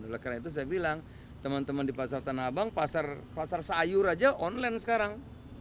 oleh karena itu saya bilang teman teman di pasar tanah abang pasar sayur aja online sekarang